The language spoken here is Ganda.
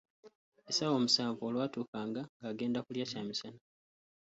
Essaawa omusanvu olwatuukanga, ng'agenda kulya kyamisana.